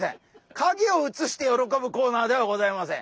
かげをうつして喜ぶコーナーではございません。